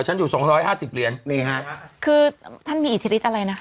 ฉันอยู่สองร้อยห้าสิบเหรียญนี่ฮะคือท่านมีอิทธิฤทธิอะไรนะคะ